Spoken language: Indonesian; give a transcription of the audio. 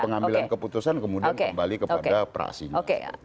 pengambilan keputusan kemudian kembali kepada praksinya